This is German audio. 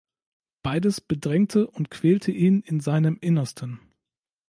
Beides bedrängte und quälte ihn in seinem Innersten.